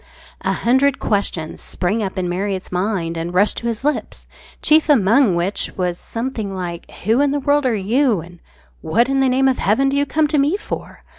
A hundred questions sprang up in Marriott's mind and rushed to his lips, chief among which was something like "Who in the world are you?" and "What in the name of heaven do you come to me for?"